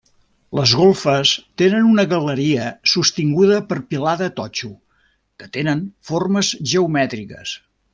Les golfes tenen una galeria sostinguda per pilars de totxo que tenen formes geomètriques.